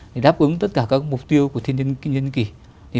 để đáp ứng tất cả các mục tiêu của thiên nhiên kỷ